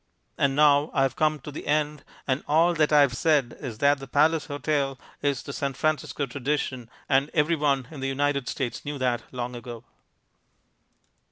And now I have come to the end and all that I have said is that the Palace Hotel is the San Francisco tradition and everyone in the United States knew that long ago.